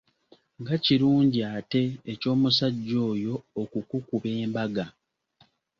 Nga kirungi ate eky’omusajja oyo okukukuba embaga!